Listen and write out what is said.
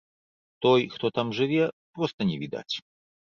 Той, хто там жыве, проста не відаць.